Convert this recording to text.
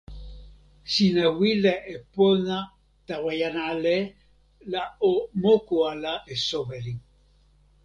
sina wile e pona tawa jan ale la o moku ala e soweli.